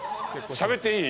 しゃべっていい？